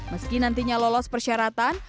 meski nantinya lolos persyaratan